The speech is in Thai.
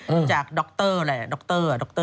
อืมจากดอกเตอร์อะไรดอกเตอร์